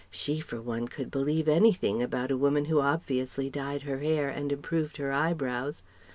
She, for one, could believe anything about a woman who obviously dyed her hair and improved her eyebrows.